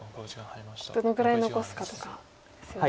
どのぐらい残すかとかですよね。